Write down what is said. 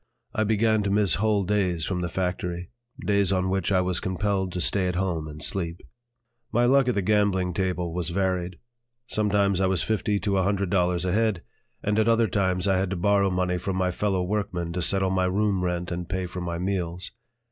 I began to miss whole days from the factory, days on which I was compelled to stay at home and sleep. My luck at the gambling table was varied; sometimes I was fifty to a hundred dollars ahead, and at other times I had to borrow money from my fellow workmen to settle my room rent and pay for my meals.